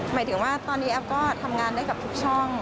หมายถึงว่าตอนนี้แอฟก็ทำงานได้กับทุกช่อง